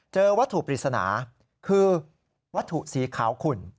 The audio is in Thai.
เจอวัตถุปริศนาคือวัตถุสีขาวขุ่น